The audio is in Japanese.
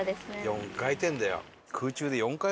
４回転だよ。